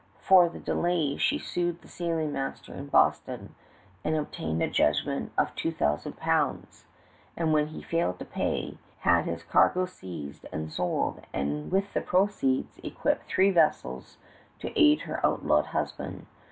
For the delay she sued the sailing master in Boston and obtained a judgment of 2000 pounds; and when he failed to pay, had his cargo seized and sold, and with the proceeds equipped three vessels to aid her outlawed husband.